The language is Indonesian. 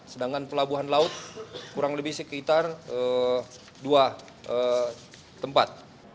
sedangkan pelabuhan laut kurang lebih sekitar dua tempat